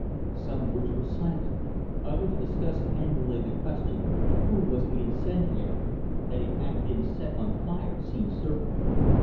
Some groups were silent; others discussed angrily the question, who was the incendiary that it had been set on fire seemed certain.